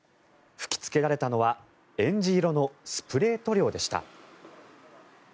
吹きつけられたのはえんじ色のスプレー塗料でした。